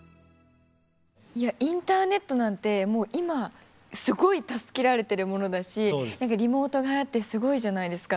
インターネットなんて今すごい助けられてるものだしリモートがはやってすごいじゃないですか。